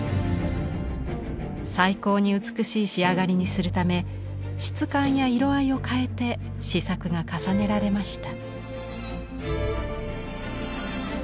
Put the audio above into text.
最高に美しい仕上がりにするため質感や色合いを変えて試作が重ねられました。